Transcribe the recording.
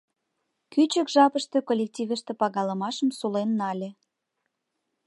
Кӱчык жапыште коллективыште пагалымашым сулен нале.